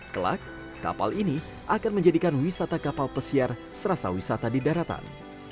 kelak kapal ini akan menjadikan wisata kapal pesiar serasa wisata di daratan